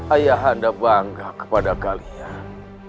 ayah anda bangga kepada kalian